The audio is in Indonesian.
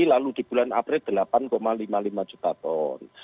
lalu di bulan april delapan lima puluh lima juta ton